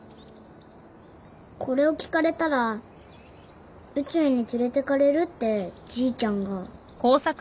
これを聞かれたら宇宙に連れてかれるってじいちゃんが。